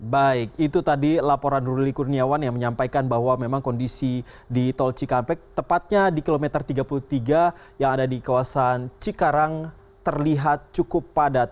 baik itu tadi laporan ruli kurniawan yang menyampaikan bahwa memang kondisi di tol cikampek tepatnya di kilometer tiga puluh tiga yang ada di kawasan cikarang terlihat cukup padat